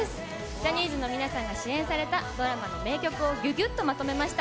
ジャニーズの皆さんが主演されたドラマの名曲を、ぎゅぎゅっとまとめました。